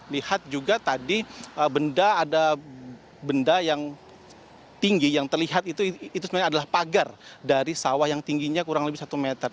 lihat juga tadi benda ada benda yang tinggi yang terlihat itu sebenarnya adalah pagar dari sawah yang tingginya kurang lebih satu meter